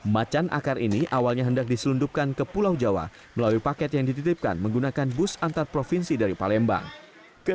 macan akar ini awalnya hendak diselundupkan ke pulau jawa melalui paket yang dititipkan menggunakan bus antar provinsi dari palembang